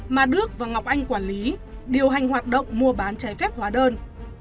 mà đức và ngọc anh quản lý điều hành hoạt động mua bán trái phép hóa đơn